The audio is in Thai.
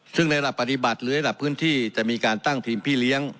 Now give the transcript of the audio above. ซึ่งในระดับปฏิบัติหรือระดับพื้นที่จะมีการตั้งทีมพี่เลี้ยง